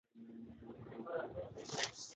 جو ہونا ہوتاہےوہ ہو کر رہتا ہے